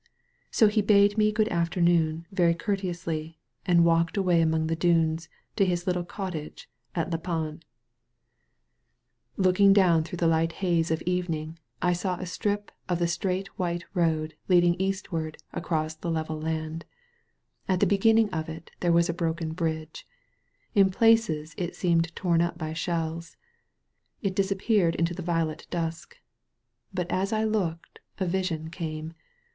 So he bade me good afternoon very courteously and walked away among the dunes to his little cot tage at La Panne. 72 THE KING'S HIGH WAY Looking down through the lig^t hasse of evening I saw a strip of the straight white road leading east ward across the level land. At the beginning of it there was a broken bridge; in places it seemed torn up by shells; it disappeared in the violet dusk. But as I looked a vision came.